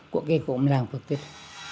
của cái gốm làng phước tích